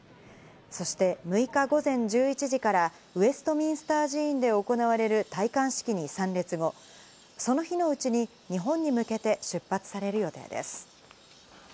そして６日午前１１時からウェストミンスター寺院で行われる戴冠式に参列後、その日のうちに日本に向けて出発される予定です。